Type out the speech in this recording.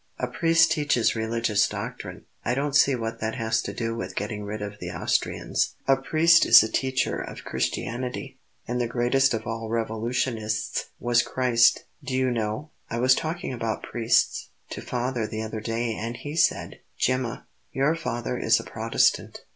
A priest teaches religious doctrine. I don't see what that has to do with getting rid of the Austrians." "A priest is a teacher of Christianity, and the greatest of all revolutionists was Christ." "Do you know, I was talking about priests to father the other day, and he said " "Gemma, your father is a Protestant."